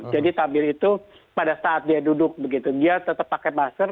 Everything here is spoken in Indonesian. jadi tabir itu pada saat dia duduk dia tetap pakai masker